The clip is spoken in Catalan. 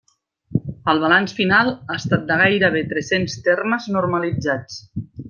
El balanç final ha estat de gairebé tres-cents termes normalitzats.